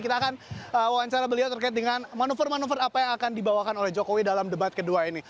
kita akan wawancara beliau terkait dengan manuver manuver apa yang akan dibawakan oleh jokowi dalam debat kedua ini